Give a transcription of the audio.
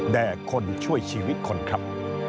คนช่วยชีวิตคนครับ